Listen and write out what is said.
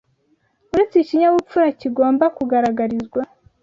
Uretse ikinyabupfura kigomba kugaragarizwa